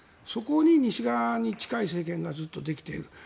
そこに西側に近い政権がずっとできている。